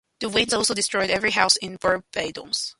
The winds also destroyed every house on Barbados.